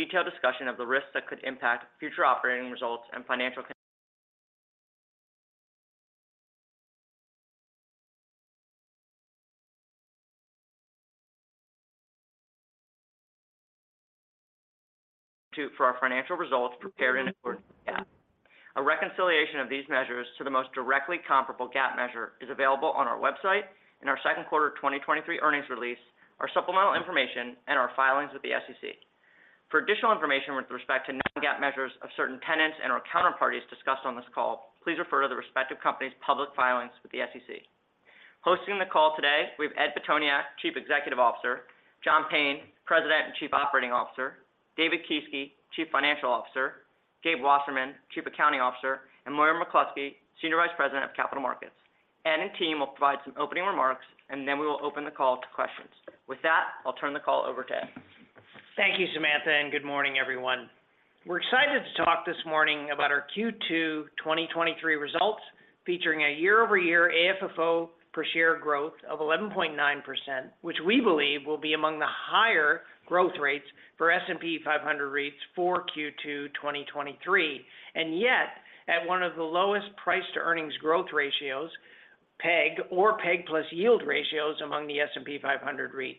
Detailed discussion of the risks that could impact future operating results and financial con- To for our financial results prepared in accordance with GAAP. A reconciliation of these measures to the most directly comparable GAAP measure is available on our website in our second quarter of 2023 earnings release, our supplemental information, and our filings with the SEC. For additional information with respect to non-GAAP measures of certain tenants and our counterparties discussed on this call, please refer to the respective company's public filings with the SEC. Hosting the call today, we have Ed Pitoniak, Chief Executive Officer, John Payne, President and Chief Operating Officer, David Kieske, Chief Financial Officer, Gabe Wasserman, Chief Accounting Officer, and Moira McCloskey, Senior Vice President of Capital Markets. Ed and team will provide some opening remarks, and then we will open the call to questions. With that, I'll turn the call over to Ed. Thank you, Samantha. Good morning, everyone. We're excited to talk this morning about our Q2 2023 results, featuring a year-over-year AFFO per share growth of 11.9%, which we believe will be among the higher growth rates for S&P 500 REITs for Q2 2023, and yet at one of the lowest price-to-earnings growth ratios, PEG or PEG plus yield ratios among the S&P 500 REITs.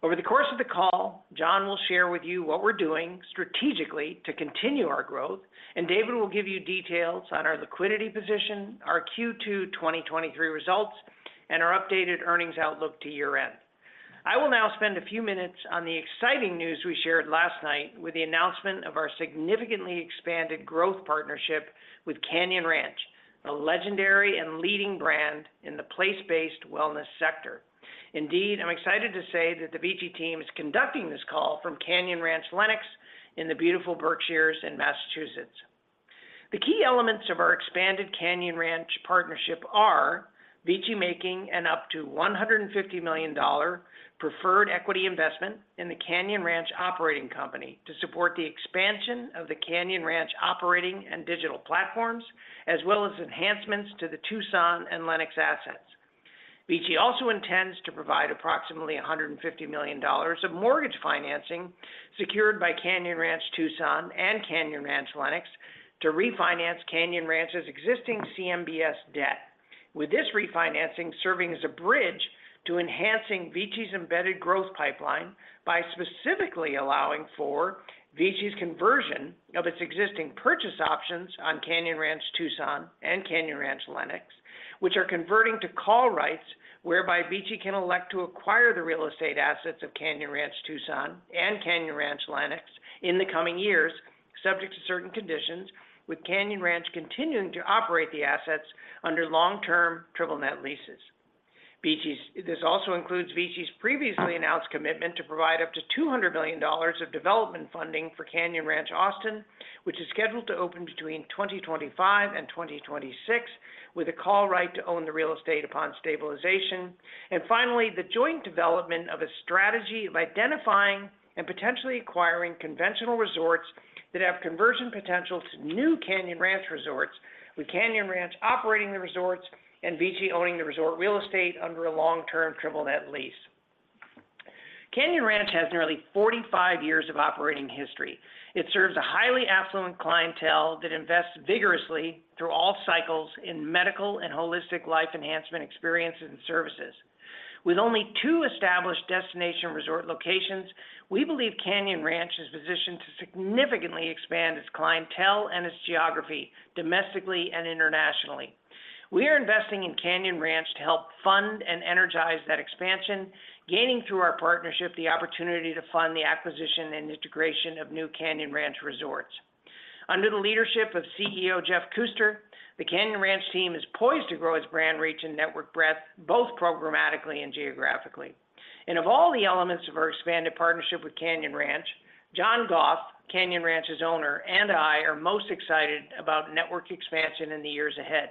Over the course of the call, John will share with you what we're doing strategically to continue our growth, and David will give you details on our liquidity position, our Q2 2023 results, and our updated earnings outlook to year-end. I will now spend a few minutes on the exciting news we shared last night with the announcement of our significantly expanded growth partnership with Canyon Ranch, a legendary and leading brand in the place-based wellness sector. Indeed, I'm excited to say that the VICI team is conducting this call from Canyon Ranch Lenox in the beautiful Berkshires in Massachusetts. The key elements of our expanded Canyon Ranch partnership are VICI making an up to $150 million preferred equity investment in the Canyon Ranch operating company to support the expansion of the Canyon Ranch operating and digital platforms, as well as enhancements to the Tucson and Lenox assets. VICI also intends to provide approximately $150 million of mortgage financing secured by Canyon Ranch Tucson and Canyon Ranch Lenox to refinance Canyon Ranch's existing CMBS debt, with this refinancing serving as a bridge to enhancing VICI's embedded growth pipeline by specifically allowing for VICI's conversion of its existing purchase options on Canyon Ranch Tucson and Canyon Ranch Lenox, which are converting to call rights, whereby VICI can elect to acquire the real estate assets of Canyon Ranch Tucson and Canyon Ranch Lenox in the coming years, subject to certain conditions, with Canyon Ranch continuing to operate the assets under long-term triple net leases. This also includes VICI's previously announced commitment to provide up to $200 million of development funding for Canyon Ranch Austin, which is scheduled to open between 2025 and 2026, with a call right to own the real estate upon stabilization. Finally, the joint development of a strategy of identifying and potentially acquiring conventional resorts that have conversion potential to new Canyon Ranch resorts, with Canyon Ranch operating the resorts and VICI owning the resort real estate under a long-term triple net lease. Canyon Ranch has nearly 45 years of operating history. It serves a highly affluent clientele that invests vigorously through all cycles in medical and holistic life enhancement experiences and services. With only two established destination resort locations, we believe Canyon Ranch is positioned to significantly expand its clientele and its geography domestically and internationally. We are investing in Canyon Ranch to help fund and energize that expansion, gaining through our partnership the opportunity to fund the acquisition and integration of new Canyon Ranch resorts. Under the leadership of CEO Jeff Kuster, the Canyon Ranch team is poised to grow its brand reach and network breadth, both programmatically and geographically. Of all the elements of our expanded partnership with Canyon Ranch, John Goff, Canyon Ranch's owner, and I are most excited about network expansion in the years ahead.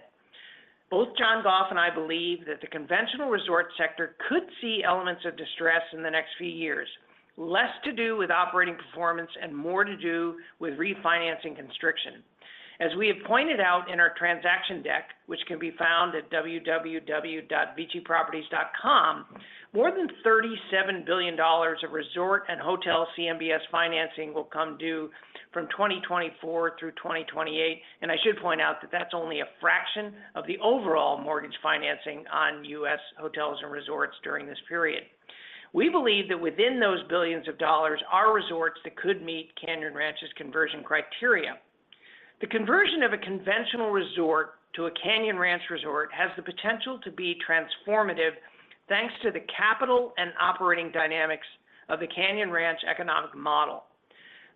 Both John Goff and I believe that the conventional resort sector could see elements of distress in the next few years, less to do with operating performance and more to do with refinancing constriction. As we have pointed out in our transaction deck, which can be found at www.viciproperties.com, more than $37 billion of resort and hotel CMBS financing will come due from 2024 through 2028. I should point out that that's only a fraction of the overall mortgage financing on U.S. hotels and resorts during this period. We believe that within those billions of dollars are resorts that could meet Canyon Ranch's conversion criteria. The conversion of a conventional resort to a Canyon Ranch resort has the potential to be transformative, thanks to the capital and operating dynamics of the Canyon Ranch economic model.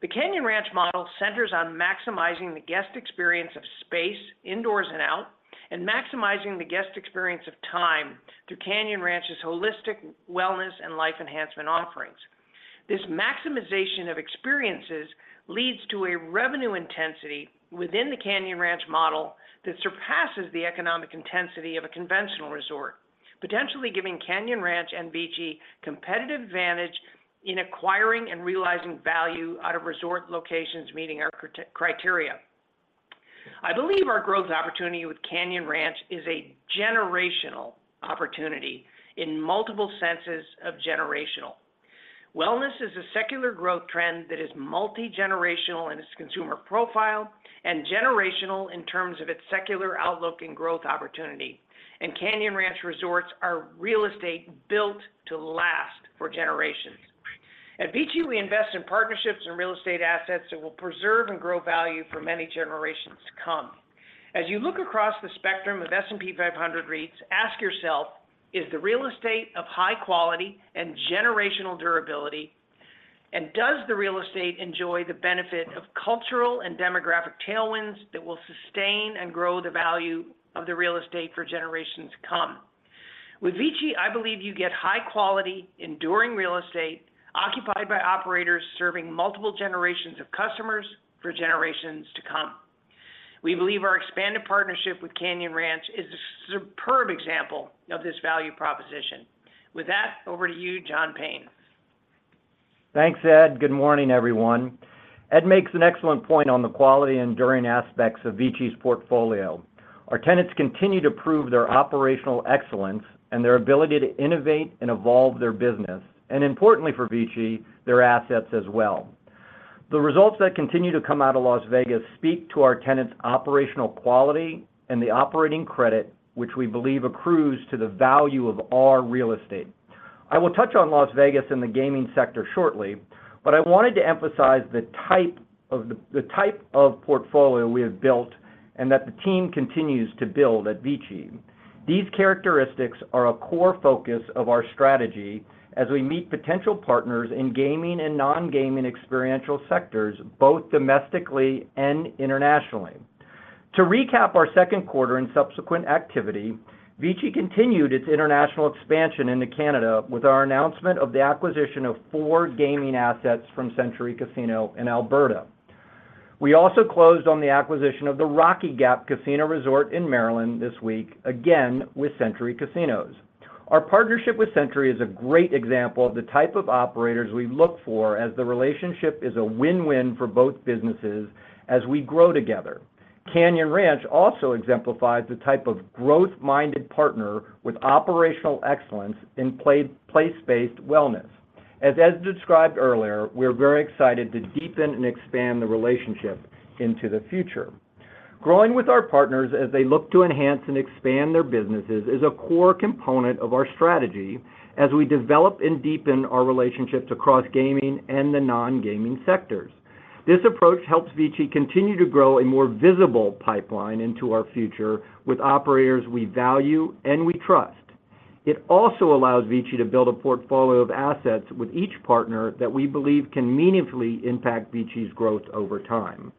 The Canyon Ranch model centers on maximizing the guest experience of space, indoors and out, and maximizing the guest experience of time through Canyon Ranch's holistic wellness and life enhancement offerings. This maximization of experiences leads to a revenue intensity within the Canyon Ranch model that surpasses the economic intensity of a conventional resort, potentially giving Canyon Ranch and VICI competitive advantage in acquiring and realizing value out of resort locations, meeting our criteria. I believe our growth opportunity with Canyon Ranch is a generational opportunity in multiple senses of generational. Wellness is a secular growth trend that is multi-generational in its consumer profile, and generational in terms of its secular outlook and growth opportunity. Canyon Ranch Resorts are real estate built to last for generations. At VICI, we invest in partnerships and real estate assets that will preserve and grow value for many generations to come. As you look across the spectrum of S&P 500 REITs, ask yourself, "Is the real estate of high quality and generational durability? Does the real estate enjoy the benefit of cultural and demographic tailwinds that will sustain and grow the value of the real estate for generations to come?" With VICI, I believe you get high quality, enduring real estate, occupied by operators serving multiple generations of customers for generations to come. We believe our expanded partnership with Canyon Ranch is a superb example of this value proposition. With that, over to you, John Payne. Thanks, Ed. Good morning, everyone. Ed makes an excellent point on the quality enduring aspects of VICI's portfolio. Our tenants continue to prove their operational excellence and their ability to innovate and evolve their business, and importantly for VICI, their assets as well. The results that continue to come out of Las Vegas speak to our tenants' operational quality and the operating credit, which we believe accrues to the value of our real estate. I will touch on Las Vegas and the gaming sector shortly, but I wanted to emphasize the type of the type of portfolio we have built and that the team continues to build at VICI. These characteristics are a core focus of our strategy as we meet potential partners in gaming and non-gaming experiential sectors, both domestically and internationally. To recap our second quarter and subsequent activity, VICI continued its international expansion into Canada, with our announcement of the acquisition of four gaming assets from Century Casinos in Alberta. We also closed on the acquisition of the Rocky Gap Casino Resort in Maryland this week, again, with Century Casinos. Our partnership with Century is a great example of the type of operators we look for, as the relationship is a win-win for both businesses as we grow together. Canyon Ranch also exemplifies the type of growth-minded partner with operational excellence in place-based wellness. As Ed described earlier, we're very excited to deepen and expand the relationship into the future. Growing with our partners as they look to enhance and expand their businesses, is a core component of our strategy as we develop and deepen our relationships across gaming and the non-gaming sectors. This approach helps VICI continue to grow a more visible pipeline into our future with operators we value and we trust. It also allows VICI to build a portfolio of assets with each partner that we believe can meaningfully impact VICI's growth over time.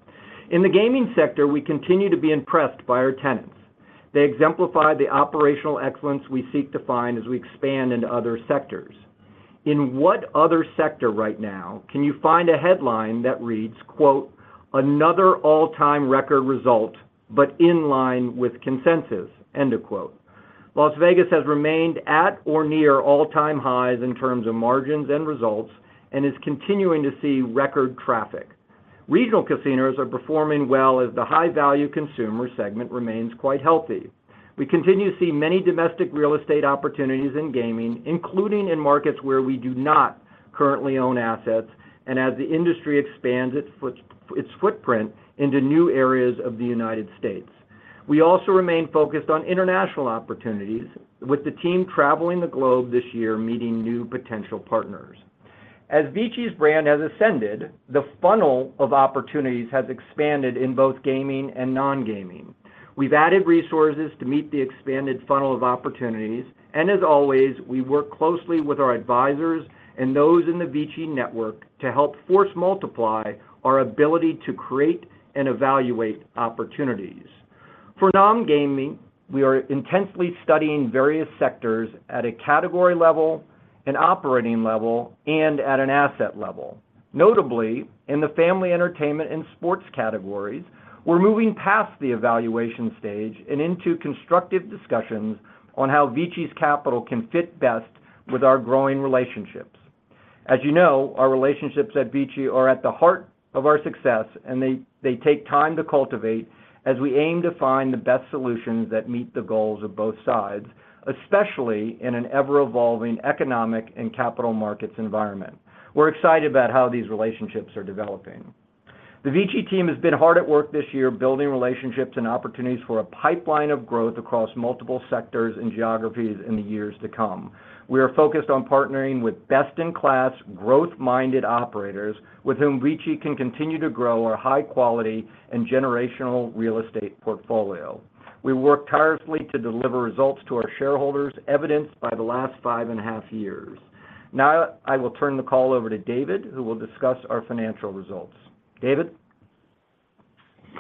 In the gaming sector, we continue to be impressed by our tenants. They exemplify the operational excellence we seek to find as we expand into other sectors. In what other sector right now, can you find a headline that reads, quote, "Another all-time record result, but in line with consensus." End of quote. Las Vegas has remained at or near all-time highs in terms of margins and results, and is continuing to see record traffic. Regional casinos are performing well as the high-value consumer segment remains quite healthy. We continue to see many domestic real estate opportunities in gaming, including in markets where we do not currently own assets, and as the industry expands its footprint into new areas of the United States. We also remain focused on international opportunities, with the team traveling the globe this year, meeting new potential partners. As VICI's brand has ascended, the funnel of opportunities has expanded in both gaming and non-gaming. We've added resources to meet the expanded funnel of opportunities, and as always, we work closely with our advisors and those in the VICI network to help force multiply our ability to create and evaluate opportunities. For non-gaming, we are intensely studying various sectors at a category level, an operating level, and at an asset level. Notably, in the family entertainment and sports categories, we're moving past the evaluation stage and into constructive discussions on how VICI's capital can fit best with our growing relationships. As you know, our relationships at VICI are at the heart of our success, and they take time to cultivate as we aim to find the best solutions that meet the goals of both sides, especially in an ever-evolving economic and capital markets environment. We're excited about how these relationships are developing. The VICI team has been hard at work this year, building relationships and opportunities for a pipeline of growth across multiple sectors and geographies in the years to come. We are focused on partnering with best-in-class, growth-minded operators, with whom VICI can continue to grow our high quality and generational real estate portfolio. We work tirelessly to deliver results to our shareholders, evidenced by the last five and a half years. Now, I will turn the call over to David, who will discuss our financial results. David?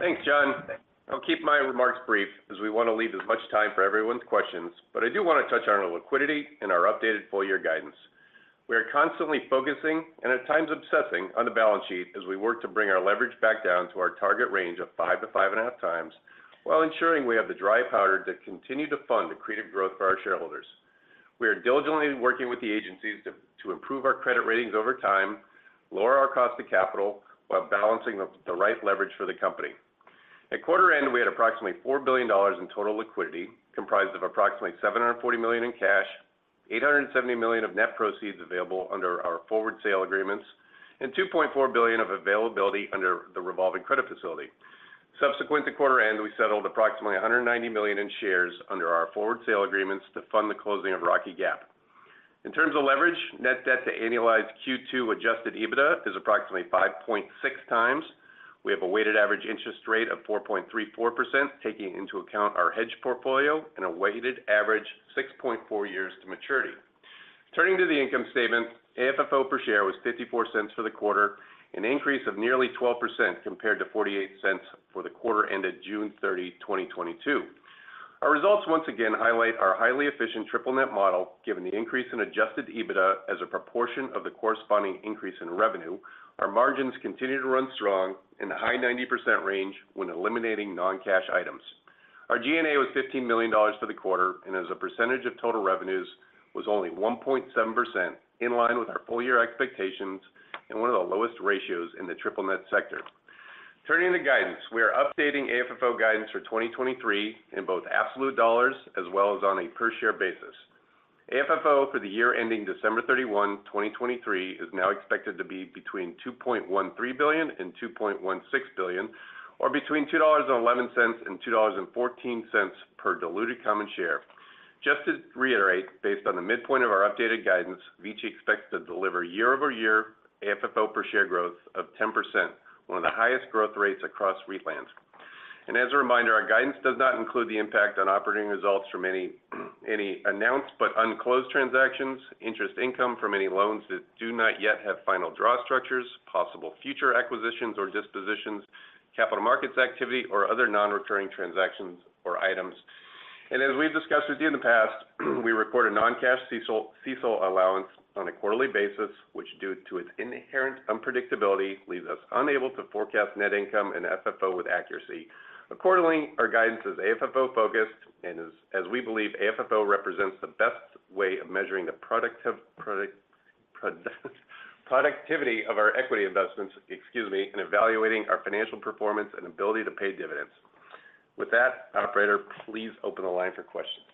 Thanks, John. I'll keep my remarks brief as we want to leave as much time for everyone's questions, but I do want to touch on our liquidity and our updated full year guidance. We are constantly focusing, and at times obsessing, on the balance sheet as we work to bring our leverage back down to our target range of 5-5.5 times, while ensuring we have the dry powder to continue to fund the creative growth for our shareholders. We are diligently working with the agencies to improve our credit ratings over time, lower our cost of capital, while balancing the right leverage for the company. At quarter end, we had approximately $4 billion in total liquidity, comprised of approximately $740 million in cash, $870 million of net proceeds available under our forward sale agreements, and $2.4 billion of availability under the revolving credit facility. Subsequent to quarter end, we settled approximately $190 million in shares under our forward sale agreements to fund the closing of Rocky Gap. In terms of leverage, net debt to annualized Q2 adjusted EBITDA is approximately 5.6 times. We have a weighted average interest rate of 4.34%, taking into account our hedge portfolio and a weighted average 6.4 years to maturity. Turning to the income statement, AFFO per share was $0.54 for the quarter, an increase of nearly 12% compared to $0.48 for the quarter ended June 30, 2022. Our results once again highlight our highly efficient triple net model, given the increase in adjusted EBITDA as a proportion of the corresponding increase in revenue. Our margins continue to run strong in the high 90% range when eliminating non-cash items. Our G&A was $15 million for the quarter, and as a percentage of total revenues, was only 1.7%, in line with our full year expectations and one of the lowest ratios in the triple net sector. Turning to guidance, we are updating AFFO guidance for 2023 in both absolute dollars as well as on a per share basis. AFFO for the year ending December 31, 2023, is now expected to be between $2.13 billion and $2.16 billion, or between $2.11 and $2.14 per diluted common share. Just to reiterate, based on the midpoint of our updated guidance, VICI expects to deliver year-over-year AFFO per share growth of 10%, one of the highest growth rates across REIT lands. As a reminder, our guidance does not include the impact on operating results from any announced but unclosed transactions, interest income from any loans that do not yet have final draw structures, possible future acquisitions or dispositions, capital markets activity, or other non-recurring transactions or items. As we've discussed with you in the past, we record a non-cash CECL allowance on a quarterly basis, which due to its inherent unpredictability, leaves us unable to forecast net income and FFO with accuracy. Accordingly, our guidance is AFFO focused, as we believe AFFO represents the best way of measuring the productivity of our equity investments, excuse me, in evaluating our financial performance and ability to pay dividends. With that, operator, please open the line for questions.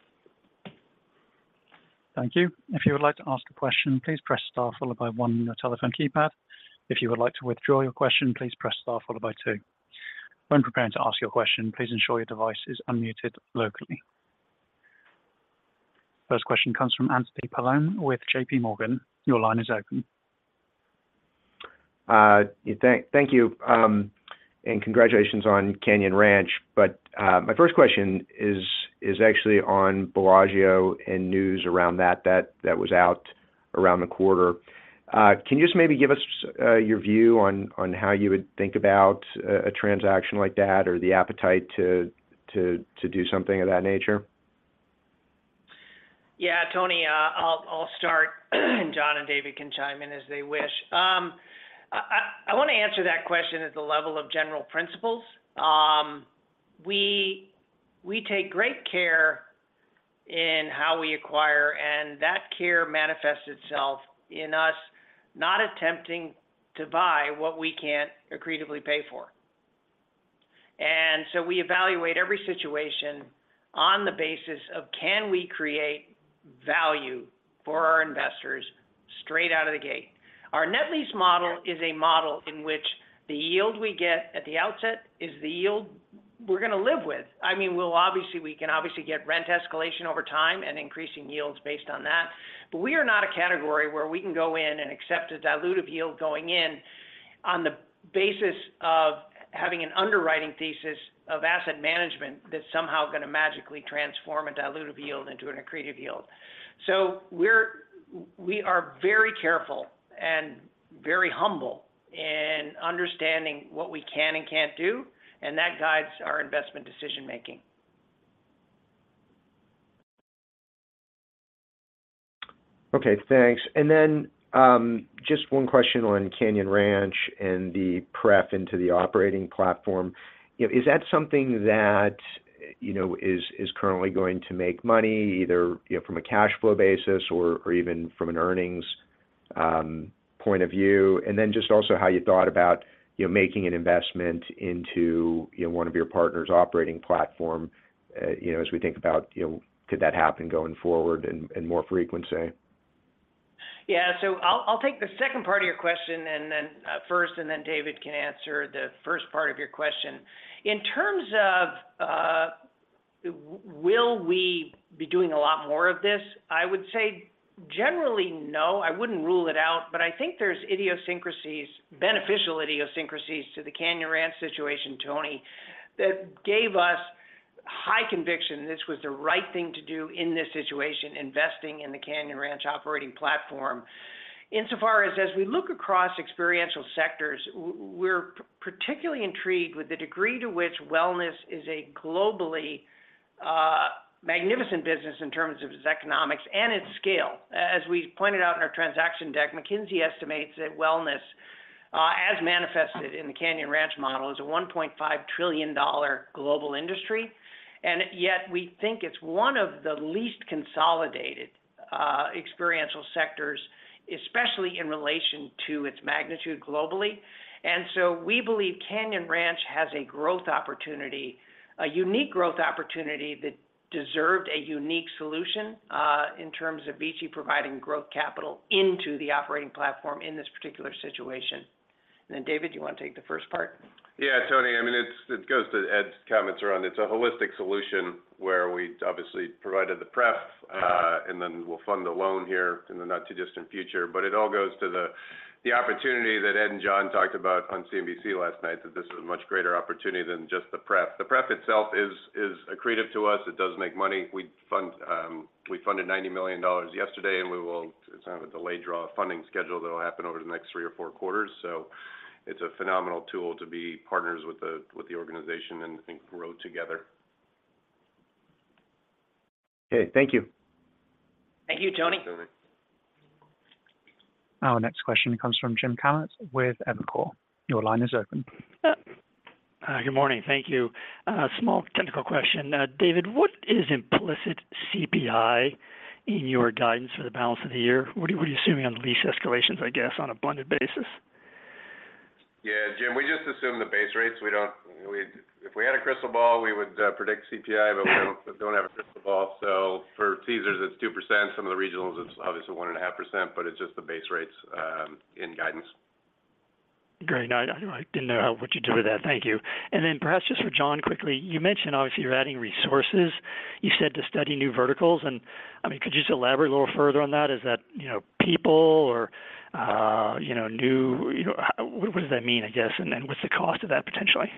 Thank you. If you would like to ask a question, please press Star followed by 1 on your telephone keypad. If you would like to withdraw your question, please press Star followed by 2. When preparing to ask your question, please ensure your device is unmuted locally. First question comes from Anthony Paolone with J.P. Morgan. Your line is open. Thank you, and congratulations on Canyon Ranch. My first question is actually on Bellagio and news around that was out around the quarter. Can you just maybe give us your view on how you would think about a transaction like that or the appetite to do something of that nature? Yeah, Tony, I'll start, and John and David can chime in as they wish. I want to answer that question at the level of general principles. We take great care in how we acquire, and that care manifests itself in us not attempting to buy what we can't accretively pay for. We evaluate every situation on the basis of, can we create value for our investors straight out of the gate? Our net lease model is a model in which the yield we get at the outset is the yield we're going to live with. I mean, we'll obviously we can obviously get rent escalation over time and increasing yields based on that, We are not a category where we can go in and accept a dilutive yield going in on the basis of having an underwriting thesis of asset management that's somehow going to magically transform a dilutive yield into an accretive yield. We are very careful and very humble in understanding what we can and can't do, and that guides our investment decision making. Okay, thanks. Just 1 question on Canyon Ranch and the prep into the operating platform. You know, is that something that, you know, is currently going to make money, either, you know, from a cash flow basis or even from an earnings point of view? Just also how you thought about, you know, making an investment into, you know, 1 of your partner's operating platform, you know, as we think about, you know, could that happen going forward and more frequently? I'll take the second part of your question first, David can answer the first part of your question. In terms of will we be doing a lot more of this, I would say generally, no. I wouldn't rule it out, but I think there's idiosyncrasies, beneficial idiosyncrasies to the Canyon Ranch situation, Tony, that gave us high conviction this was the right thing to do in this situation, investing in the Canyon Ranch operating platform. Insofar as, as we look across experiential sectors, we're particularly intrigued with the degree to which wellness is a globally magnificent business in terms of its economics and its scale. As we pointed out in our transaction deck, McKinsey estimates that wellness, as manifested in the Canyon Ranch model, is a $1.5 trillion global industry. Yet we think it's one of the least consolidated, experiential sectors, especially in relation to its magnitude globally. So we believe Canyon Ranch has a growth opportunity, a unique growth opportunity that deserved a unique solution, in terms of VICI providing growth capital into the operating platform in this particular situation. Then, David, do you want to take the first part? Yeah, Anthony. I mean, it goes to Ed's comments around it's a holistic solution where we obviously provided the pref, and then we'll fund the loan here in the not-too-distant future. It all goes to the opportunity that Ed and John talked about on CNBC last night, that this was a much greater opportunity than just the pref. The pref itself is accretive to us. It does make money. We funded $90 million yesterday. It's kind of a delayed draw funding schedule that will happen over the next 3 or 4 quarters. It's a phenomenal tool to be partners with the organization and, I think, grow together. Okay, thank you. Thank you, Tony. Thanks, Tony. Our next question comes from Jim Kammert with Evercore. Your line is open. Good morning. Thank you. Small technical question. David, what is implicit CPI in your guidance for the balance of the year? What are you assuming on lease escalations, I guess, on a blended basis? Jim, we just assume the base rates. If we had a crystal ball, we would predict CPI, we don't have a crystal ball. For Caesars, it's 2%. Some of the regionals, it's obviously 1.5%, it's just the base rates in guidance. Great. I didn't know what you'd do with that. Thank you. Perhaps just for John, quickly, you mentioned obviously, you're adding resources, you said, to study new verticals. I mean, could you just elaborate a little further on that? Is that, you know, people or, you know, new. What does that mean, I guess? What's the cost of that, potentially?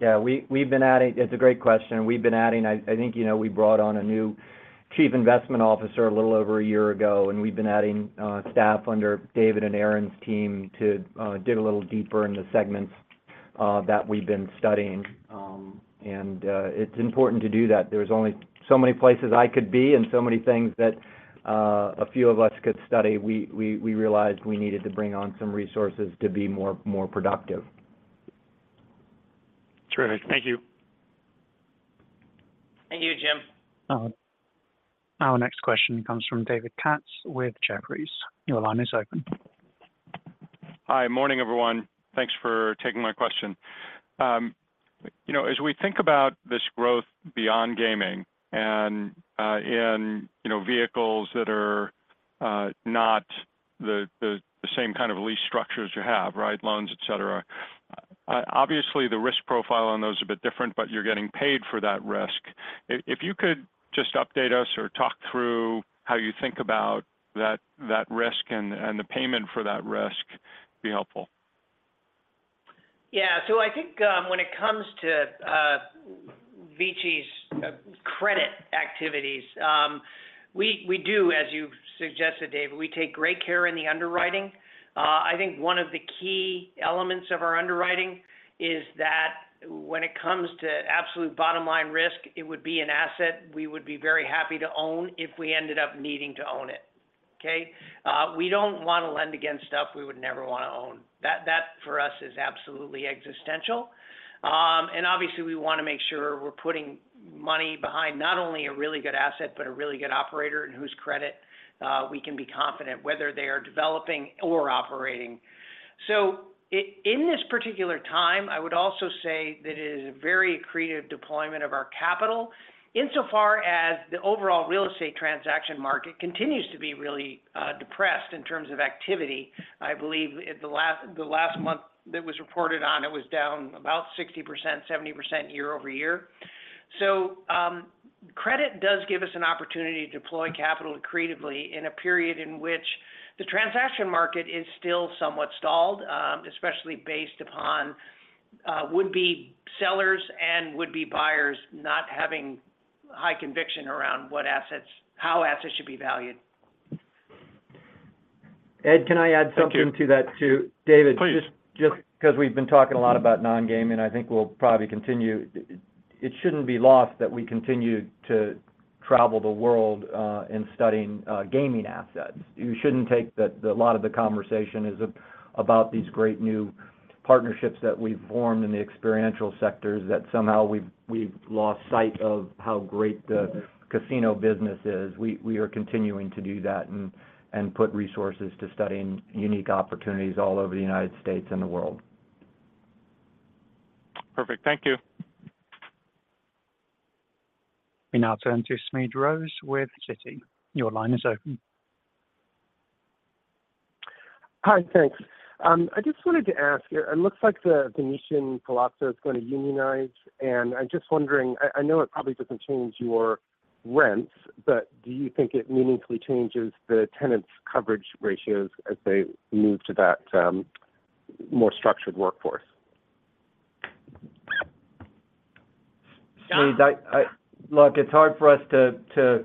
Yeah, we've been adding. It's a great question. We've been adding. I think, you know, we brought on a new chief investment officer a little over a year ago, we've been adding staff under David and Aaron's team to dig a little deeper in the segments that we've been studying. It's important to do that. There's only so many places I could be and so many things that a few of us could study. We realized we needed to bring on some resources to be more productive. Terrific. Thank you. Thank you, Jim. Our next question comes from David Katz with Jefferies. Your line is open. one. Thanks for taking my question. You know, as we think about this growth beyond gaming and in, you know, vehicles that are not the same kind of lease structures you have, right, loans, et cetera, obviously, the risk profile on those are a bit different, but you're getting paid for that risk. If you could just update us or talk through how you think about that risk and the payment for that risk, it would be helpful. I think, when it comes to VICI's credit activities, we do, as you suggested, David, we take great care in the underwriting. I think one of the key elements of our underwriting is that when it comes to absolute bottom line risk, it would be an asset we would be very happy to own if we ended up needing to own it. Okay? We don't want to lend against stuff we would never want to own. That for us, is absolutely existential. Obviously, we want to make sure we're putting money behind not only a really good asset, but a really good operator and whose credit, we can be confident, whether they are developing or operating. In this particular time, I would also say that it is a very creative deployment of our capital insofar as the overall real estate transaction market continues to be really depressed in terms of activity. I believe the last month that was reported on, it was down about 60%, 70% year-over-year. Credit does give us an opportunity to deploy capital creatively in a period in which the transaction market is still somewhat stalled, especially based upon would-be sellers and would-be buyers not having high conviction around how assets should be valued. Ed, can I add something. Thank you. To that, too? David Please. Just because we've been talking a lot about non-gaming, and I think we'll probably continue. It shouldn't be lost that we continue to travel the world in studying gaming assets. You shouldn't take that a lot of the conversation is about these great new partnerships that we've formed in the experiential sectors, that somehow we've lost sight of how great the casino business is. We are continuing to do that and put resources to studying unique opportunities all over the United States and the world. Perfect. Thank you. We now turn to Smedes Rose with Citi. Your line is open. Hi, thanks. I just wanted to ask, it looks like the Venetian Palazzo is going to unionize, and I'm just wondering. I know it probably doesn't change your rents, but do you think it meaningfully changes the tenants' coverage ratios as they move to that more structured workforce? Smeed, Look, it's hard for us to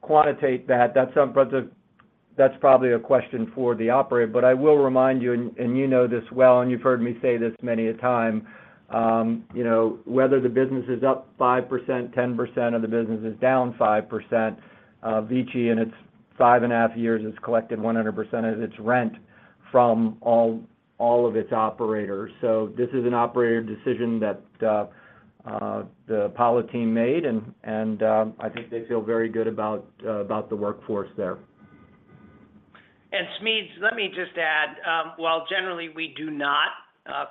quantitate that. That's probably a question for the operator. I will remind you, and you know this well, and you've heard me say this many a time, you know, whether the business is up 5%, 10%, or the business is down 5%, VICI, in its five and a half years, has collected 100% of its rent from all of its operators. This is an operator decision that the Apollo team made, and I think they feel very good about the workforce there. Smedes, let me just add, while generally we do not,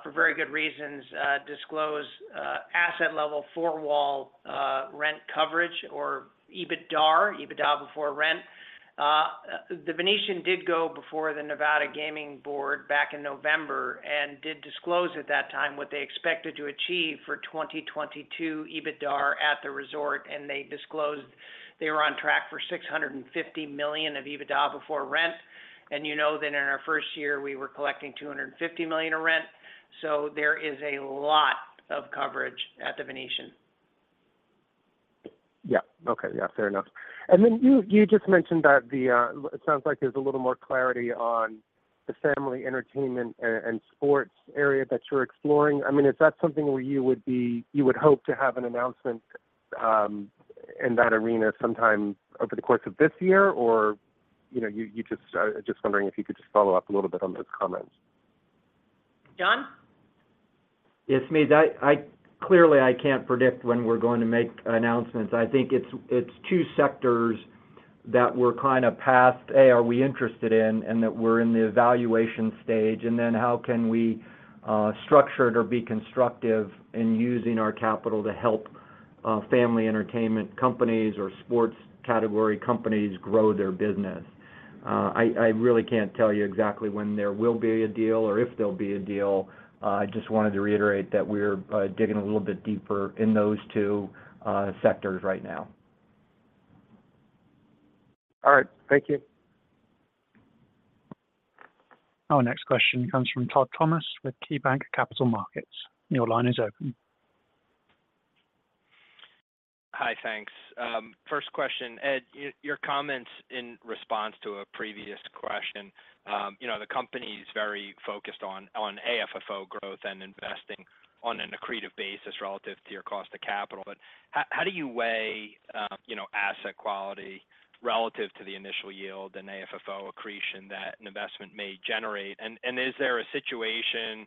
for very good reasons, disclose asset level four wall rent coverage or EBITDAR, EBITDA before rent, the Venetian did go before the Nevada Gaming Board back in November and did disclose at that time what they expected to achieve for 2022 EBITDAR at the resort, and they disclosed they were on track for $650 million of EBITDA before rent. You know that in our first year, we were collecting $250 million of rent. There is a lot of coverage at the Venetian. Yeah. Okay. Yeah, fair enough. Then you, you just mentioned that. It sounds like there's a little more clarity on the family entertainment and sports area that you're exploring. I mean, is that something where you would hope to have an announcement in that arena sometime over the course of this year? You know, you, you just wondering if you could just follow up a little bit on those comments. John? Smedes, I clearly can't predict when we're going to make announcements. I think it's two sectors that we're kind of past, A, are we interested in, that we're in the evaluation stage, how can we structure it or be constructive in using our capital to help family entertainment companies or sports category companies grow their business? I really can't tell you exactly when there will be a deal or if there'll be a deal. I just wanted to reiterate that we're digging a little bit deeper in those two sectors right now. All right. Thank you. Our next question comes from Todd Thomas with KeyBanc Capital Markets. Your line is open. Hi, thanks. First question, Ed, your comments in response to a previous question, you know, the company is very focused on AFFO growth and investing on an accretive basis relative to your cost of capital. But how do you weigh, you know, asset quality relative to the initial yield and AFFO accretion that an investment may generate? And is there a situation,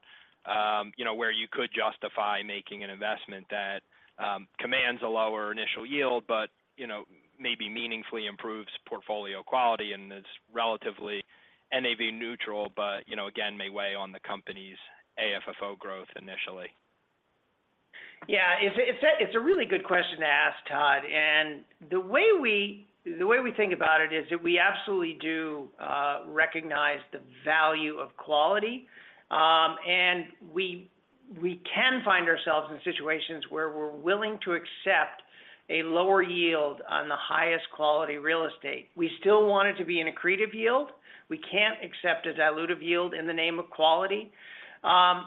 you know, where you could justify making an investment that commands a lower initial yield, but, you know, maybe meaningfully improves portfolio quality and is relatively NAV neutral, but, again, may weigh on the company's AFFO growth initially? Yeah, it's a really good question to ask, Todd. The way we think about it is that we absolutely do recognize the value of quality. And we can find ourselves in situations where we're willing to accept a lower yield on the highest quality real estate. We still want it to be an accretive yield. We can't accept a dilutive yield in the name of quality. At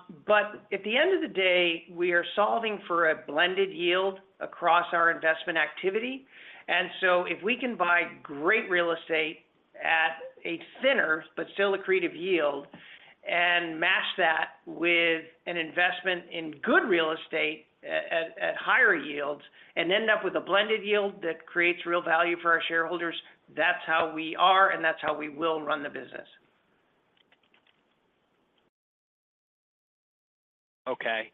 the end of the day, we are solving for a blended yield across our investment activity. If we can buy great real estate at a thinner, but still accretive yield, and match that with an investment in good real estate at higher yields, and end up with a blended yield that creates real value for our shareholders, that's how we are, and that's how we will run the business. Okay.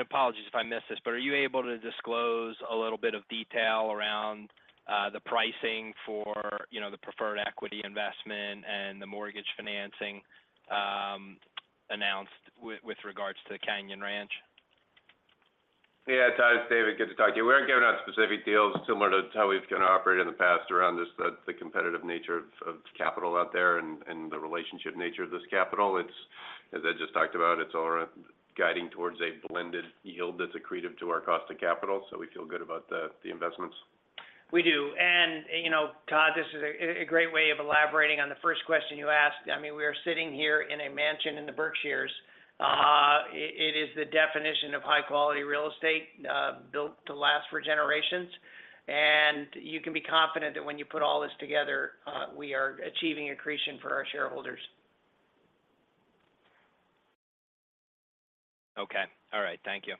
Apologies if I missed this, but are you able to disclose a little bit of detail around the pricing for you know the preferred equity investment and the mortgage financing announced with regards to the Canyon Ranch? Yeah, Todd, it's David. Good to talk to you. We're not giving out specific deals similar to how we've kinda operated in the past around just the competitive nature of capital out there and the relationship nature of this capital. As I just talked about, it's all around guiding towards a blended yield that's accretive to our cost of capital, so we feel good about the investments. We do. You know, Todd, this is a great way of elaborating on the first question you asked. I mean, we are sitting here in a mansion in the Berkshires. It is the definition of high-quality real estate, built to last for generations. You can be confident that when you put all this together, we are achieving accretion for our shareholders. Okay. All right. Thank you.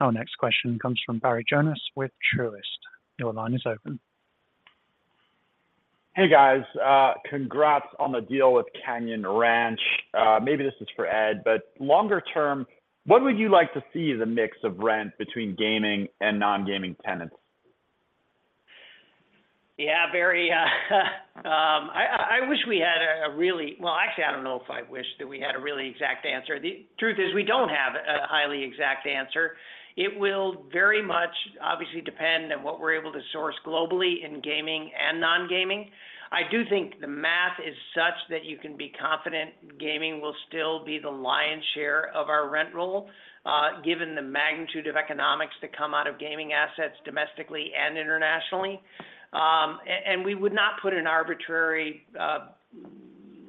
Our next question comes from Barry Jonas with Truist. Your line is open. Hey, guys, congrats on the deal with Canyon Ranch. Maybe this is for Ed, but longer term, what would you like to see the mix of rent between gaming and non-gaming tenants? Yeah, Barry, I wish we had a really, well, actually, I don't know if I wish that we had a really exact answer. The truth is, we don't have a highly exact answer. It will very much, obviously, depend on what we're able to source globally in gaming and non-gaming. I do think the math is such that you can be confident gaming will still be the lion's share of our rent roll, given the magnitude of economics that come out of gaming assets domestically and internationally. We would not put an arbitrary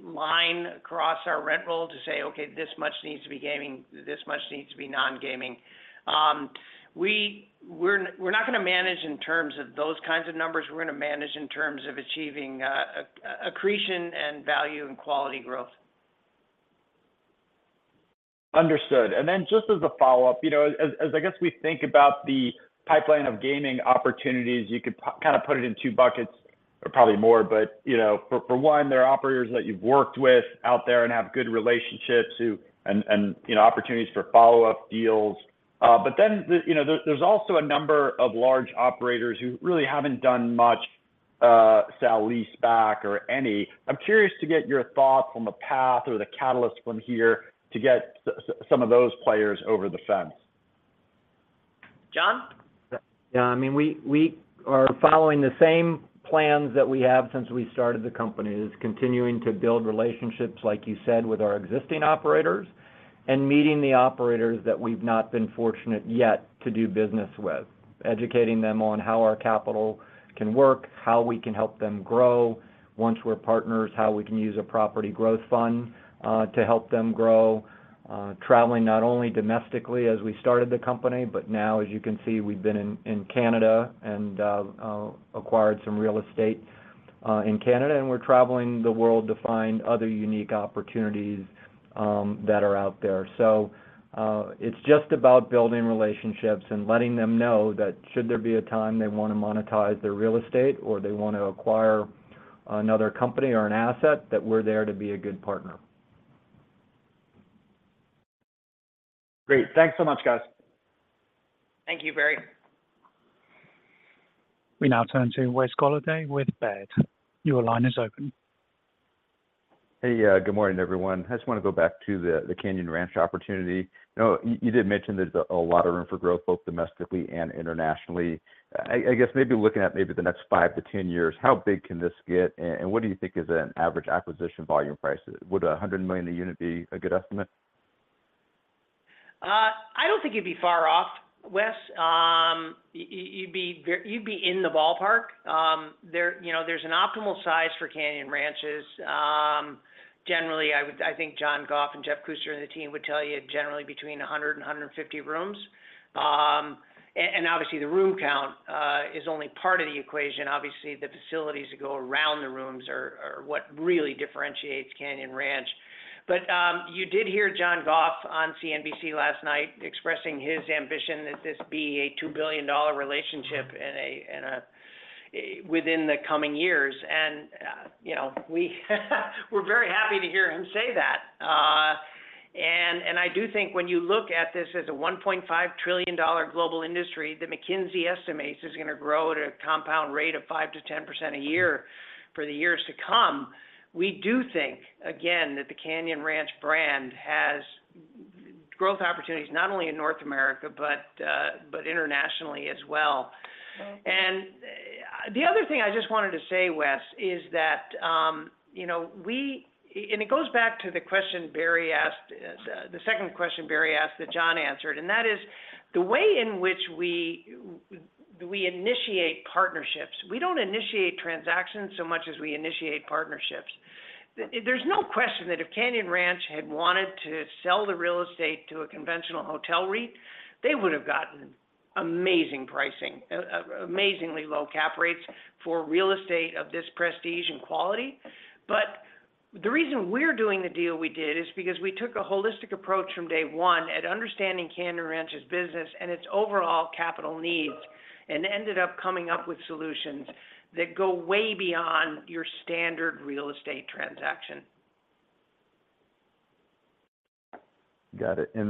line across our rent roll to say, "Okay, this much needs to be gaming, this much needs to be non-gaming." We're not going to manage in terms of those kinds of numbers. We're going to manage in terms of achieving accretion and value and quality growth. Understood. Just as a follow-up, you know, as I guess we think about the pipeline of gaming opportunities, you could kind of put it in two buckets or probably more, but, you know, for one, there are operators that you've worked with out there and have good relationships who and, you know, opportunities for follow-up deals. The, you know, there's also a number of large operators who really haven't done much, sell, lease back or any. I'm curious to get your thoughts on the path or the catalyst from here to get some of those players over the fence. John? I mean, we are following the same plans that we have since we started the company, is continuing to build relationships, like you said, with our existing operators, and meeting the operators that we've not been fortunate yet to do business with. Educating them on how our capital can work, how we can help them grow once we're partners, how we can use a Partner Property Growth Fund to help them grow. Traveling not only domestically as we started the company, but now, as you can see, we've been in Canada and acquired some real estate in Canada, we're traveling the world to find other unique opportunities that are out there. It's just about building relationships and letting them know that should there be a time they want to monetize their real estate or they want to acquire another company or an asset, that we're there to be a good partner. Great. Thanks so much, guys. Thank you, Barry. We now turn to Wes Golladay with Baird. Your line is open. Good morning, everyone. I just want to go back to the Canyon Ranch opportunity. You know, you did mention there's a lot of room for growth, both domestically and internationally. I guess looking at the next five to 10 years, how big can this get, and what do you think is an average acquisition volume price? Would $100 million a unit be a good estimate? I don't think you'd be far off, Wes. You'd be in the ballpark. You know, there's an optimal size for Canyon Ranches. Generally, I think John Goff and Jeff Kuster, and the team would tell you, generally between 100 and 150 rooms. Obviously, the room count is only part of the equation. Obviously, the facilities that go around the rooms are what really differentiates Canyon Ranch. You did hear John Goff on CNBC last night, expressing his ambition that this be a $2 billion relationship within the coming years. You know, we're very happy to hear him say that. I do think when you look at this as a $1.5 trillion global industry, the McKinsey estimates is going to grow at a compound rate of 5%-10% a year for the years to come. We do think, again, that the Canyon Ranch brand has growth opportunities, not only in North America, but internationally as well. The other thing I just wanted to say, Wes, is that, you know, it goes back to the question Barry asked, the second question Barry asked that John answered, and that is, the way in which we, we initiate partnerships. We don't initiate transactions so much as we initiate partnerships. There's no question that if Canyon Ranch had wanted to sell the real estate to a conventional hotel REIT, they would've gotten amazing pricing, amazingly low cap rates for real estate of this prestige and quality. The reason we're doing the deal we did, is because we took a holistic approach from day one at understanding Canyon Ranch's business and its overall capital needs, and ended up coming up with solutions that go way beyond your standard real estate transaction. Got it. Then,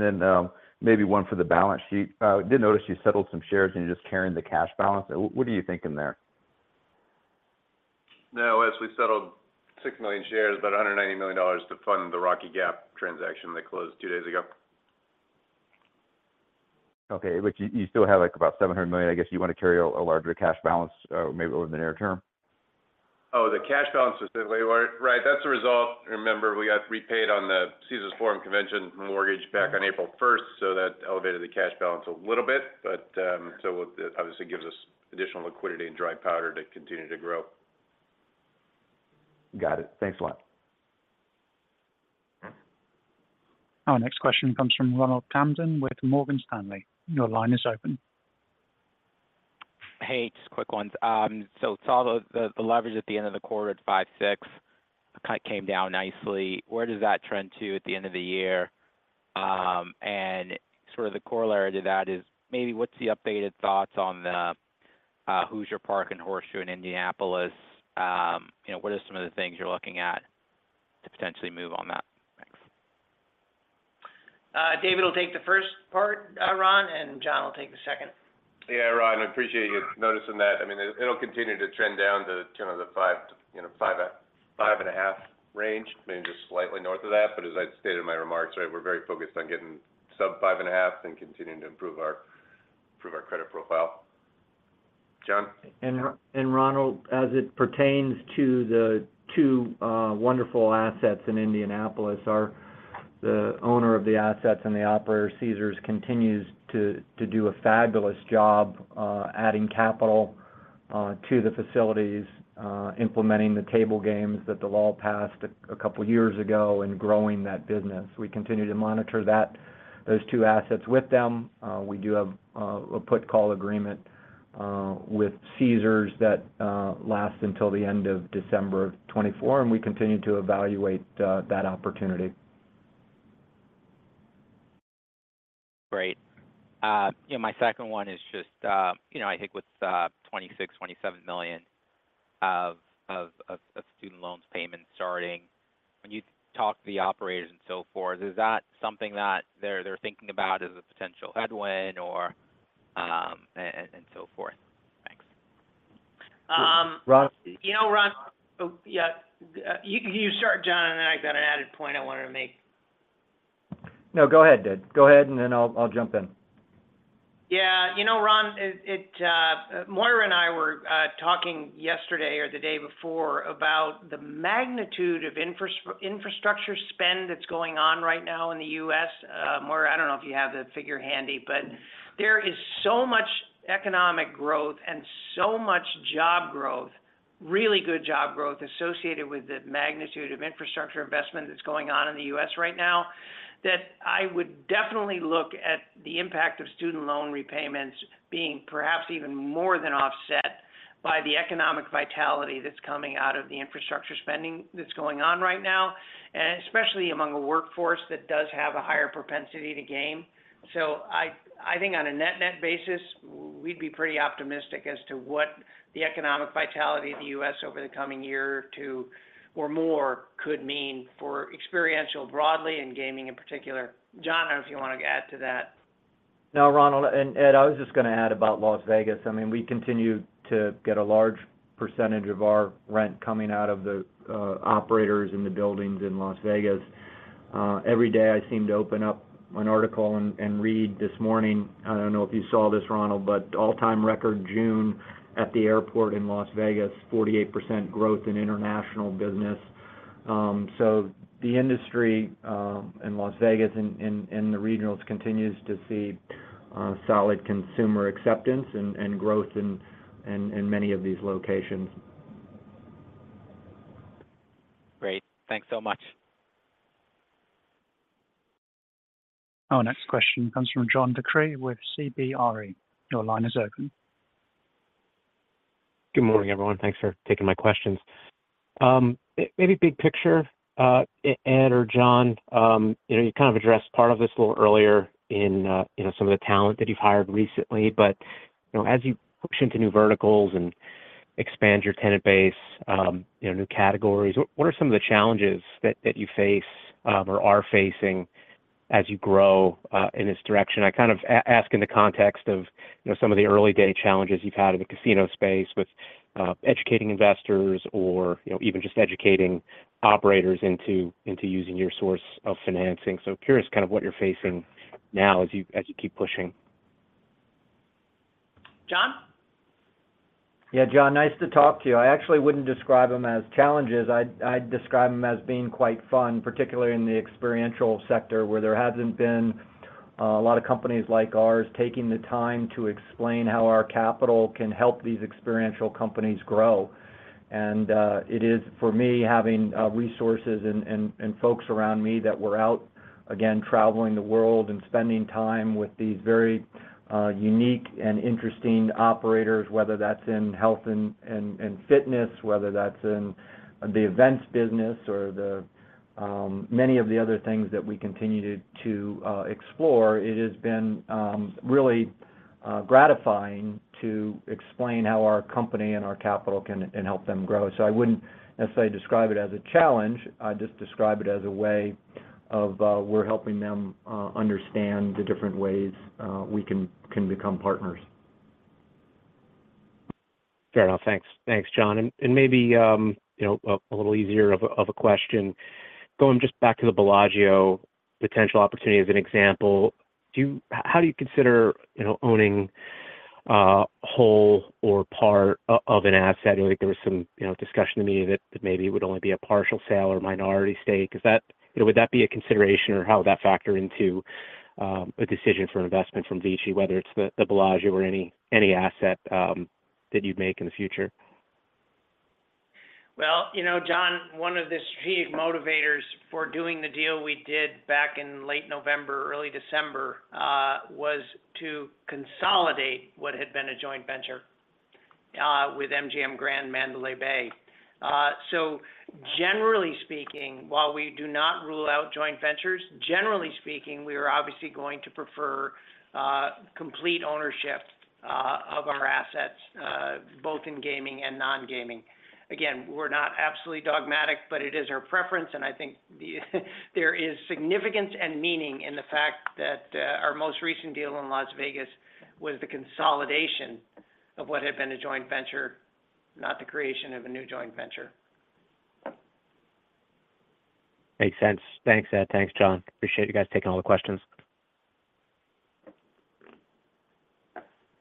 maybe one for the balance sheet. Did notice you settled some shares, and you're just carrying the cash balance. What are you thinking there? No, as we settled 6 million shares, about $190 million to fund the Rocky Gap transaction that closed 2 days ago. Which you still have, like, about $700 million. I guess you want to carry a larger cash balance, maybe over the near term? The cash balance specifically, right. That's a result. Remember, we got repaid on the Caesars Forum Convention mortgage back on April 1st. That elevated the cash balance a little bit. It, obviously, gives us additional liquidity and dry powder to continue to grow. Got it. Thanks a lot. Our next question comes from Ronald Kamdem with Morgan Stanley. Your line is open. Hey, just quick ones. Saw the leverage at the end of the quarter at 5.6x, kind of came down nicely. Where does that trend to at the end of the year? Sort of the corollary to that is, maybe what's the updated thoughts on the Hoosier Park and Horseshoe in Indianapolis? You know, what are some of the things you're looking at to potentially move on that? Thanks. David will take the first part, Ron, and John will take the second. Yeah, Ron, I appreciate you noticing that. I mean, it'll continue to trend down to, you know, the 5, 5.5 range, maybe just slightly north of that. As I stated in my remarks, right, we're very focused on getting sub 5.5 and continuing to improve our credit profile. John? Ronald, as it pertains to the two, wonderful assets in Indianapolis, the owner of the assets and the operator, Caesars, continues to do a fabulous job, adding capital. to the facilities, implementing the table games that the law passed a couple years ago and growing that business. We continue to monitor that, those two assets with them. We do have a put call agreement with Caesars that lasts until the end of December of 2024, and we continue to evaluate that opportunity. Great. Yeah, my second one is just, you know, I think with, $26 million-$27 million of student loans payments starting, when you talk to the operators and so forth, is that something that they're thinking about as a potential headwind or, and so forth? Thanks. Ron? You know, Ron. Oh, yeah. You start, John. Then I've got an added point I wanted to make. No, go ahead, Ed. Go ahead, and then I'll jump in. Yeah. You know, Ron, it, it, Moira and I were talking yesterday or the day before about the magnitude of infrastructure spend that's going on right now in the U.S. Moira, I don't know if you have the figure handy, but there is so much economic growth and so much job growth, really good job growth associated with the magnitude of infrastructure investment that's going on in the U.S. right now, that I would definitely look at the impact of student loan repayments being perhaps even more than offset by the economic vitality that's coming out of the infrastructure spending that's going on right now, and especially among a workforce that does have a higher propensity to game. I think on a net-net basis, we'd be pretty optimistic as to what the economic vitality of the U.S. over the coming year or two, or more, could mean for experiential broadly, and gaming in particular. John, I don't know if you want to add to that. No, Ronald. Ed, I was just going to add about Las Vegas, I mean, we continue to get a large percentage of our rent coming out of the operators in the buildings in Las Vegas. Every day, I seem to open up an article and read this morning, I don't know if you saw this, Ronald, all-time record, June at the airport in Las Vegas, 48% growth in international business. The industry in Las Vegas and the regionals continues to see solid consumer acceptance and growth in many of these locations. Great. Thanks so much. Our next question comes from John DeCree with CBRE. Your line is open. Good morning, everyone. Thanks for taking my questions. Maybe big picture, Ed or John, you know, you kind of addressed part of this a little earlier in, you know, some of the talent that you've hired recently, but, you know, as you push into new verticals and expand your tenant base, you know, new categories, what are some of the challenges that you face or are facing as you grow in this direction? I kind of ask in the context of, you know, some of the early-day challenges you've had in the casino space with educating investors or, you know, even just educating operators into using your source of financing. Curious, kind of what you're facing now as you keep pushing. John? Yeah, John, nice to talk to you. I actually wouldn't describe them as challenges. I'd describe them as being quite fun, particularly in the experiential sector, where there hasn't been a lot of companies like ours taking the time to explain how our capital can help these experiential companies grow. It is, for me, having resources and folks around me that were out, again, traveling the world and spending time with these very unique and interesting operators, whether that's in health and fitness, whether that's in the events business or the many of the other things that we continue to explore, it has been really gratifying to explain how our company and our capital can help them grow. I wouldn't necessarily describe it as a challenge. I just describe it as a way of, we're helping them, understand the different ways, we can become partners. Fair enough. Thanks. Thanks, John. And maybe, you know, a little easier of a question, going just back to the Bellagio potential opportunity as an example, do you how do you consider, you know, owning whole or part of an asset? I think there was some, you know, discussion to me that maybe it would only be a partial sale or minority stake. Is that, you know, would that be a consideration or how would that factor into a decision for an investment from VICI, whether it's the Bellagio or any asset that you'd make in the future? Well, you know, John, one of the strategic motivators for doing the deal we did back in late November, early December, was to consolidate what had been a joint venture with MGM Grand Mandalay Bay. Generally speaking, while we do not rule out joint ventures, generally speaking, we are obviously going to prefer complete ownership of our assets, both in gaming and non-gaming. Again, we're not absolutely dogmatic, but it is our preference, and I think the, there is significance and meaning in the fact that our most recent deal in Las Vegas was the consolidation of what had been a joint venture, not the creation of a new joint venture. Makes sense. Thanks, Ed. Thanks, John. Appreciate you guys taking all the questions.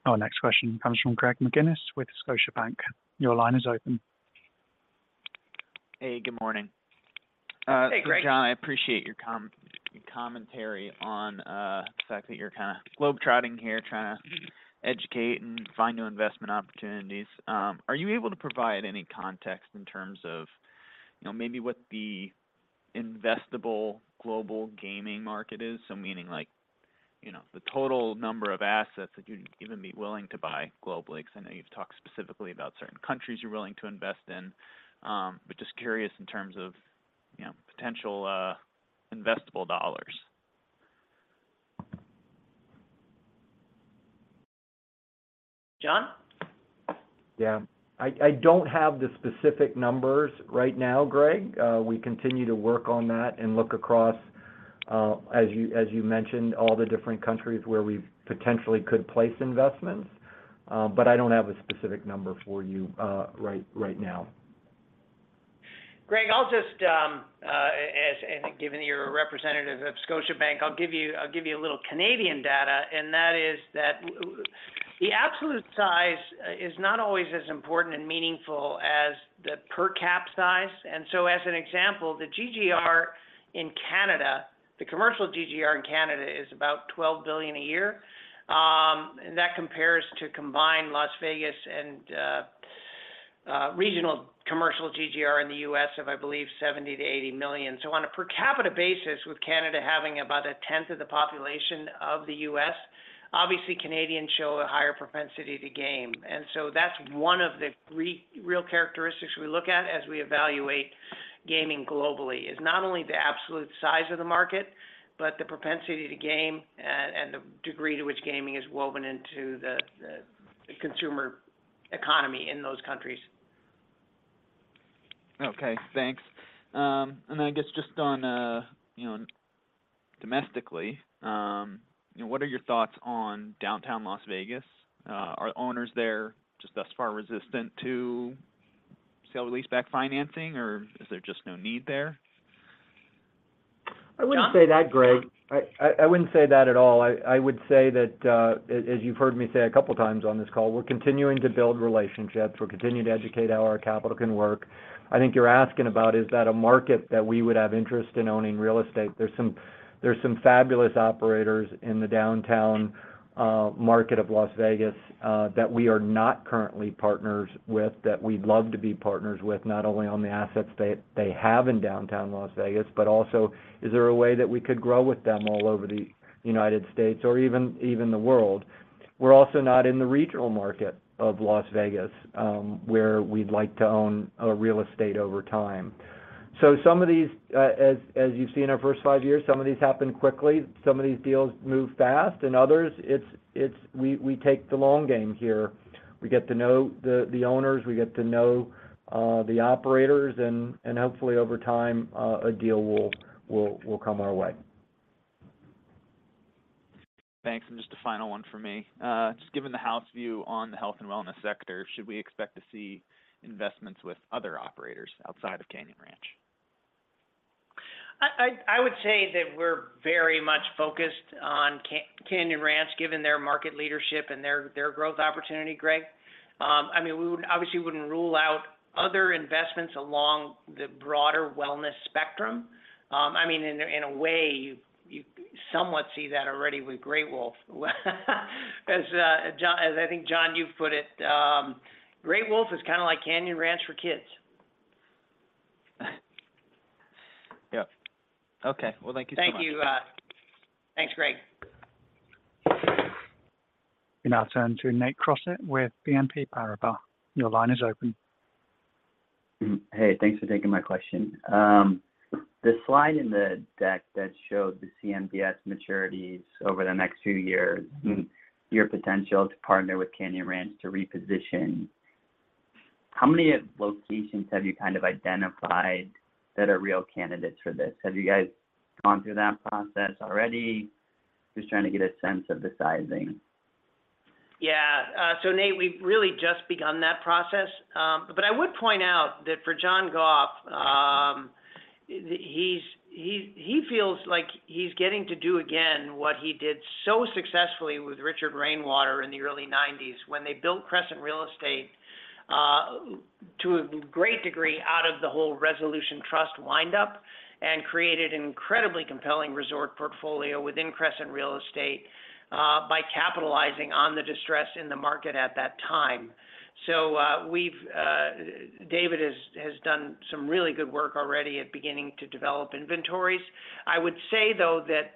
Our next question comes from Greg McGinniss, with Scotiabank. Your line is open. Hey, good morning. Hey, Greg. John, I appreciate your commentary on the fact that you're kinda globe trotting here, trying to educate and find new investment opportunities. Are you able to provide any context in terms of, you know, maybe what the investable global gaming market is? Meaning like, you know, the total number of assets that you'd even be willing to buy globally. I know you've talked specifically about certain countries you're willing to invest in, but just curious in terms of, you know, potential investable dollars. John? Yeah. I don't have the specific numbers right now, Greg. We continue to work on that and look across, as you, as you mentioned, all the different countries where we potentially could place investments. I don't have a specific number for you, right now. Greg, I'll just, given that you're a representative of Scotiabank, I'll give you a little Canadian data, and that is that the absolute size is not always as important and meaningful as the per cap size. As an example, the GGR in Canada, the commercial GGR in Canada, is about $12 billion a year. That compares to combined Las Vegas and regional commercial GGR in the US of, I believe, $70 million-$80 million. On a per capita basis, with Canada having about a tenth of the population of the US, obviously Canadians show a higher propensity to game. That's one of the real characteristics we look at as we evaluate gaming globally, is not only the absolute size of the market, but the propensity to game and the degree to which gaming is woven into the, the consumer economy in those countries. Okay, thanks. I guess just on, you know, domestically, you know, what are your thoughts on downtown Las Vegas? Are owners there just thus far resistant to sale-leaseback financing, or is there just no need there? John? I wouldn't say that, Greg. I wouldn't say that at all. I would say that, as you've heard me say a couple times on this call, we're continuing to build relationships. We're continuing to educate how our capital can work. I think you're asking about, is that a market that we would have interest in owning real estate? There's some, there's some fabulous operators in the downtown market of Las Vegas that we are not currently partners with, that we'd love to be partners with, not only on the assets they have in downtown Las Vegas, but also is there a way that we could grow with them all over the United States or even the world? We're also not in the regional market of Las Vegas, where we'd like to own real estate over time. Some of these, as, as you've seen our first five years, some of these happen quickly, some of these deals move fast. Others, we take the long game here. We get to know the owners, we get to know the operators. Hopefully over time, a deal will come our way. Thanks. Just a final one for me. Just given the house view on the health and wellness sector, should we expect to see investments with other operators outside of Canyon Ranch? I would say that we're very much focused on Canyon Ranch, given their market leadership and their growth opportunity, Greg. I mean, we obviously wouldn't rule out other investments along the broader wellness spectrum. I mean, in a way, you somewhat see that already with Great Wolf. As John, as I think, John, you've put it, Great Wolf is kinda like Canyon Ranch for kids. Yep. Okay. Well, thank you so much. Thank you. Thanks, Greg. We now turn to Nate Crossett with BNP Paribas. Your line is open. Hey, thanks for taking my question. The slide in the deck that showed the CMBS maturities over the next few years and your potential to partner with Canyon Ranch to reposition, how many locations have you kind of identified that are real candidates for this? Have you guys gone through that process already? Just trying to get a sense of the sizing. Nate, we've really just begun that process. I would point out that for John Goff, he feels like he's getting to do again what he did so successfully with Richard Rainwater in the early nineties, when they built Crescent Real Estate, to a great degree out of the whole Resolution Trust wind-up, and created an incredibly compelling resort portfolio within Crescent Real Estate, by capitalizing on the distress in the market at that time. David has done some really good work already at beginning to develop inventories. I would say, though, that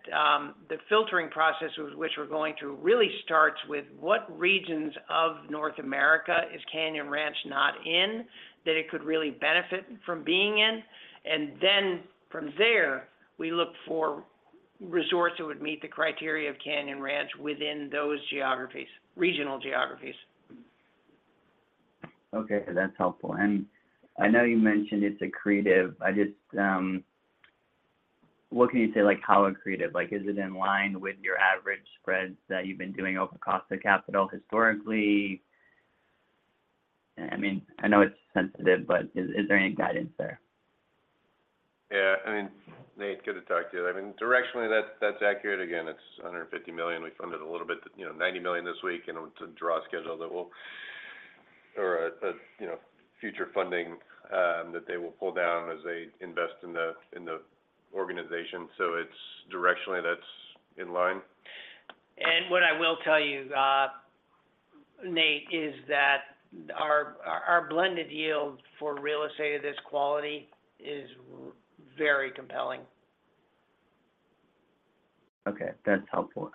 the filtering process with which we're going through, really starts with what regions of North America is Canyon Ranch not in, that it could really benefit from being in? From there, we look for resorts that would meet the criteria of Canyon Ranch within those geographies, regional geographies. Okay, that's helpful. I know you mentioned it's accretive. I just. What can you say, like, how accretive? Like, is it in line with your average spreads that you've been doing over cost of capital historically? I mean, I know it's sensitive, but is there any guidance there? I mean, Nate, good to talk to you. I mean, directionally, that's accurate. Again, it's under $50 million. We funded a little bit, $90 million this week, to draw schedule that will or a future funding, that they will pull down as they invest in the organization. It's directionally that's in line. What I will tell you, Nate, is that our blended yield for real estate of this quality is very compelling. Okay, that's helpful.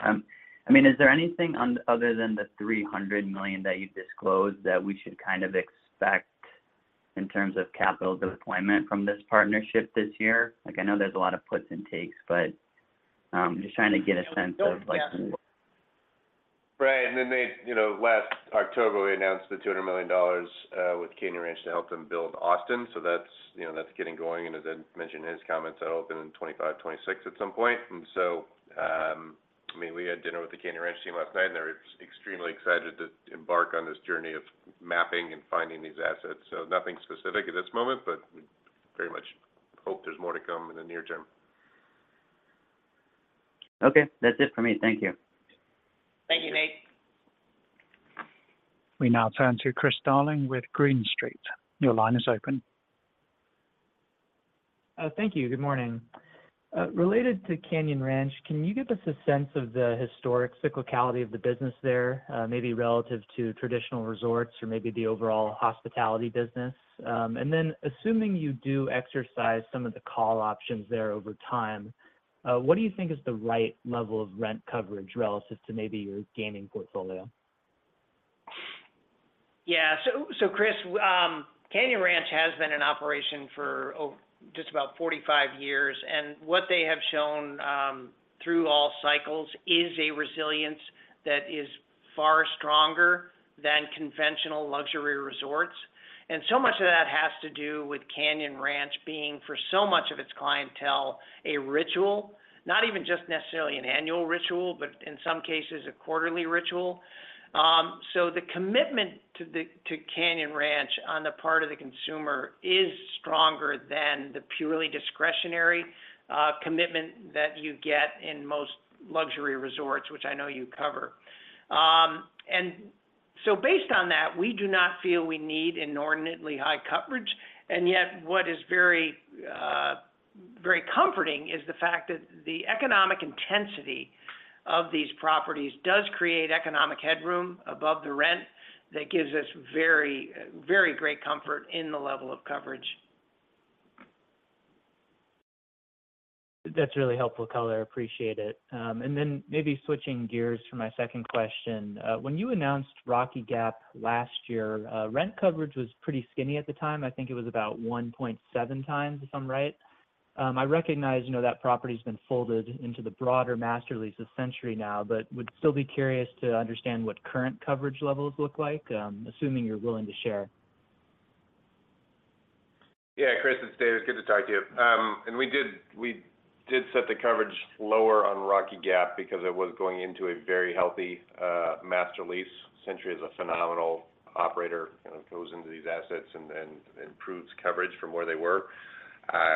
I mean, is there anything on, other than the $300 million that you've disclosed that we should kind of expect in terms of capital deployment from this partnership this year? Like, I know there's a lot of puts and takes, but, just trying to get a sense of like. Yeah. Right, and then they, you know, last October, we announced the $200 million with Canyon Ranch to help them build Austin. That's, you know, that's getting going, and as Ed mentioned in his comments, that open in 2025, 2026 at some point. I mean, we had dinner with the Canyon Ranch team last night, and they're extremely excited to embark on this journey of mapping and finding these assets. Nothing specific at this moment, but we very much hope there's more to come in the near term. That's it for me. Thank you. Thank you, Nate. We now turn to Chris Darling with Green Street. Your line is open. Thank you. Good morning. Related to Canyon Ranch, can you give us a sense of the historic cyclicality of the business there, maybe relative to traditional resorts or maybe the overall hospitality business? Assuming you do exercise some of the call options there over time, what do you think is the right level of rent coverage relative to maybe your gaming portfolio? Chris, Canyon Ranch has been in operation for just about 45 years. What they have shown through all cycles is a resilience that is far stronger than conventional luxury resorts. So much of that has to do with Canyon Ranch being, for so much of its clientele, a ritual, not even just necessarily an annual ritual, but in some cases, a quarterly ritual. The commitment to Canyon Ranch on the part of the consumer is stronger than the purely discretionary commitment that you get in most luxury resorts, which I know you cover. Based on that, we do not feel we need inordinately high coverage, and yet what is very, very comforting is the fact that the economic intensity of these properties does create economic headroom above the rent. That gives us very, very great comfort in the level of coverage. That's really helpful color. I appreciate it. Maybe switching gears for my second question. When you announced Rocky Gap last year, rent coverage was pretty skinny at the time. I think it was about 1.7 times, if I'm right. I recognize, you know, that property's been folded into the broader master lease of Century now, would still be curious to understand what current coverage levels look like, assuming you're willing to share. Yeah, Chris, it's David. Good to talk to you. We did set the coverage lower on Rocky Gap because it was going into a very healthy master lease. Century is a phenomenal operator, and it goes into these assets and improves coverage from where they were,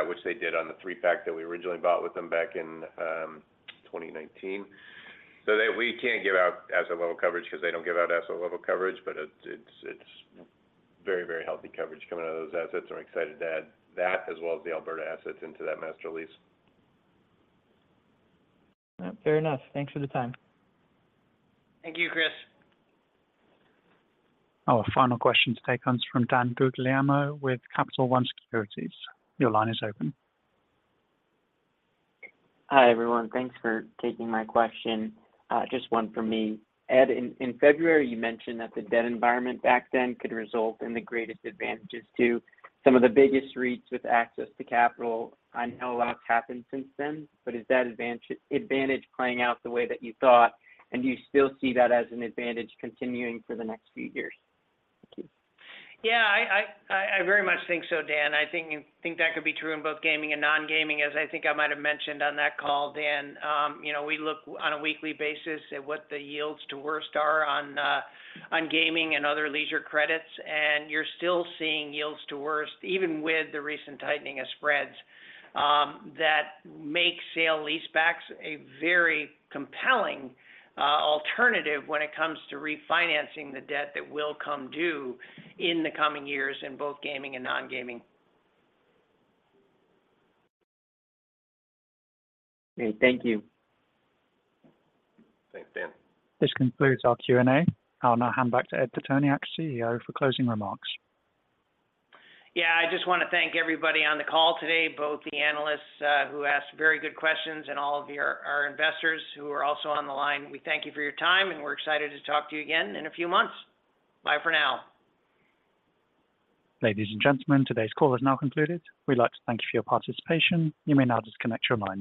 which they did on the three-pack that we originally bought with them back in 2019. We can't give out asset level coverage because they don't give out asset level coverage, but it's very, very healthy coverage coming out of those assets. We're excited to add that, as well as the Alberta assets into that master lease. Fair enough. Thanks for the time. Thank you, Chris. Our final question to take comes from Dan Guglielmo with Capital One Securities. Your line is open. Hi, everyone. Thanks for taking my question. Just one from me. Ed, in February, you mentioned that the debt environment back then could result in the greatest advantages to some of the biggest REITs with access to capital. I know a lot's happened since then, is that advantage playing out the way that you thought, and do you still see that as an advantage continuing for the next few years? Thank you. Yeah, I very much think so, Dan. I think that could be true in both gaming and non-gaming, as I think I might have mentioned on that call, Dan. You know, we look on a weekly basis at what the yields to worst are on gaming and other leisure credits, and you're still seeing yields to worst, even with the recent tightening of spreads. That make sale leasebacks a very compelling alternative when it comes to refinancing the debt that will come due in the coming years in both gaming and non-gaming. Okay. Thank you. Thanks, Dan. This concludes our Q&A. I'll now hand back to Ed Pitoniak, CEO, for closing remarks. Yeah, I just want to thank everybody on the call today, both the analysts, who asked very good questions, and all of our investors who are also on the line. We thank you for your time, and we're excited to talk to you again in a few months. Bye for now. Ladies and gentlemen, today's call is now concluded. We'd like to thank you for your participation. You may now disconnect your lines.